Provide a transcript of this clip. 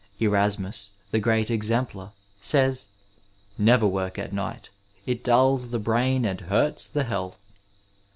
Erasmus, the great exemplar, says, " Never work at night ; it dulls the brain and hurts the health."